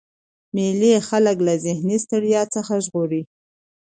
مېلې خلک له ذهني ستړیا څخه ژغوري.